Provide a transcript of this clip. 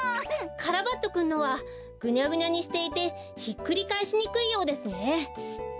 カラバッチョくんのはぐにゃぐにゃにしていてひっくりかえしにくいようですね。